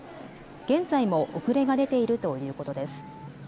現在も遅れが出ているということです。